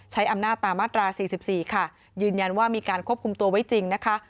ใช้อำนาจตามมาตรา๔๔ค่ะยืนยันว่ามีการควบคุมตัวไว้จริงนะคะ